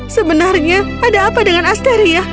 sebenarnya apa ada dengan asteria